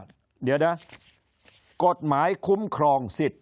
คนในวงการสื่อ๓๐องค์กร